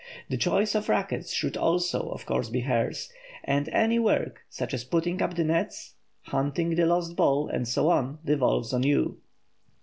The choice of rackets should also, of course, be hers; and any work, such as putting up the nets, hunting the lost ball, and so on, devolves on you.